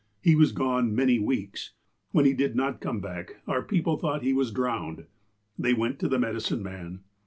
He was gone many weeks. When he did not come back, our people thought he was drowned. They went to the medicine man.